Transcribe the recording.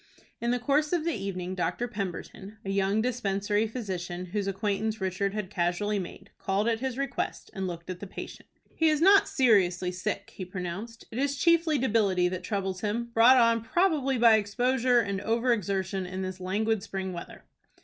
In the course of the evening Dr. Pemberton, a young dispensary physician, whose acquaintance Richard had casually made, called at his request and looked at the patient. "He is not seriously sick," he pronounced. "It is chiefly debility that troubles him, brought on probably by exposure, and over exertion in this languid spring weather."